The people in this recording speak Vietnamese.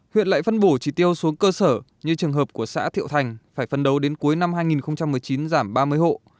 huyện lại phân bổ chỉ tiêu xuống cơ sở như trường hợp của xã thiệu thành phải phân đấu đến cuối năm hai nghìn một mươi chín giảm ba mươi hộ